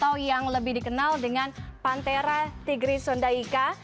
atau yang lebih dikenal dengan pantera tigris sundaika